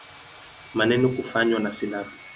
Maneno kufanywa na silabi.